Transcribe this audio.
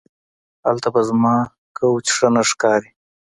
هلته به زما کوچ ښه نه ښکاري